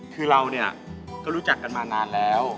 คือเราเนี่ยก็รู้จักกันมานานแล้ว